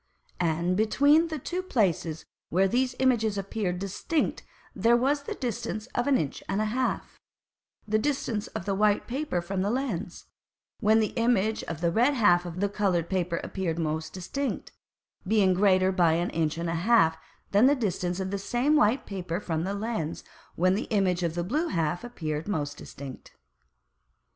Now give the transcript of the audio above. And between the two Places where these Images appeared distinct there was the distance of an Inch and a half; the distance of the white Paper from the Lens, when the Image of the red half of the coloured Paper appeared most distinct, being greater by an Inch and an half than the distance of the same white Paper from the Lens, when the Image of the blue half appeared most distinct.